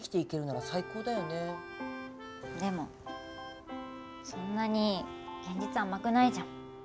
でもそんなに現実甘くないじゃん。